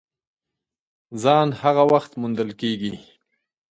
ځان هغه وخت موندل کېږي !